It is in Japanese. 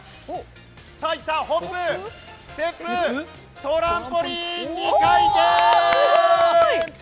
さあいった、ホップステップトランポリン２回転！